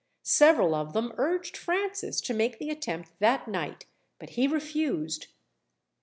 Several of them urged Francis to make the attempt that night, but he refused.